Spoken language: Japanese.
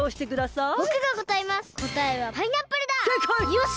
よし！